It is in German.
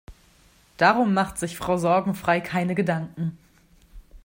Darum macht sich Frau Sorgenfrei keine Gedanken.